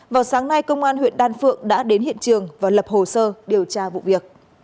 vào sáng nay công an huyện đan phượng đã đến hiện trường và lập hồ sơ điều tra vụ việc